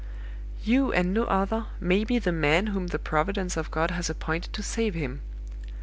"'You, and no other, may be the man whom the providence of God has appointed to save him!